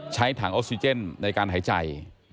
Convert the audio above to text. ใช้ถังออกซิเจนในการหายใจ